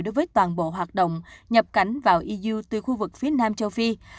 đối với toàn bộ hoạt động nhập cảnh vào iuu từ khu vực phía nam châu phi